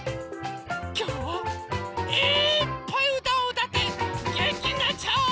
きょうはいっぱいうたをうたってげんきになっちゃおう！